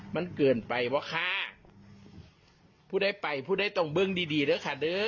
มันเกินไปวะค่ะผู้ได้ไปผู้ได้ต้องเบิ่งดีดีเด้อค่ะเด้อ